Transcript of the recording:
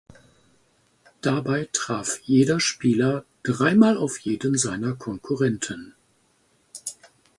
Dabei traf jeder Spieler dreimal auf jeden seiner Konkurrenten.